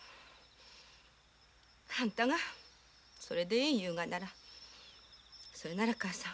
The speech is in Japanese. あんたがそれでいい言うがならそれなら母さん